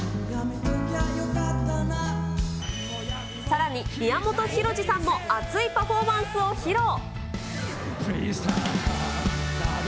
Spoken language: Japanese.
さらに、宮本浩次さんも熱いパフォーマンスを披露。